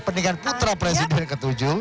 mendingan putra presiden ke tujuh